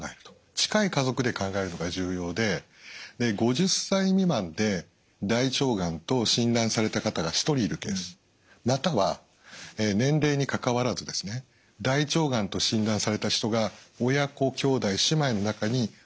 近い家族で考えるのが重要で５０歳未満で大腸がんと診断された方が１人いるケースまたは年齢にかかわらず大腸がんと診断された人が親・子・兄弟姉妹の中に２人いると。